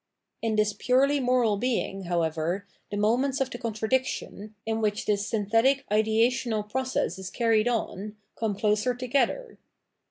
In this purely moral being, however, the moments of tbe contradiction, in which this synthetic ideational process is carried on, come closer together.